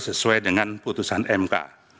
sesuai dengan putusan mk